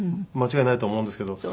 間違いないと思うんですけど。